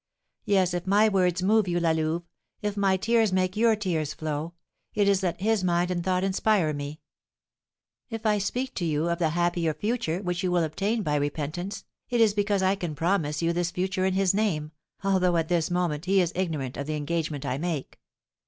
Yes, if my words move you, La Louve, if my tears make your tears flow, it is that his mind and thought inspire me. If I speak to you of the happier future which you will obtain by repentance, it is because I can promise you this future in his name, although, at this moment, he is ignorant of the engagement I make.